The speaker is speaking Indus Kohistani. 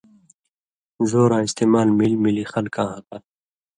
زوراں استعمال مِلیۡ مِلیۡ خلکاں حقہ